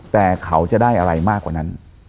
แต่เขาจะได้อะไรมากกว่านั้น